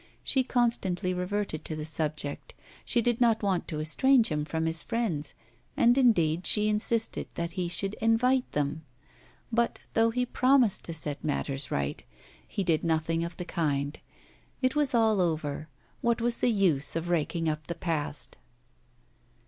She constantly reverted to the subject; she did not want to estrange him from his friends, and indeed she insisted that he should invite them. But, though he promised to set matters right, he did nothing of the kind. It was all over; what was the use of raking up the past?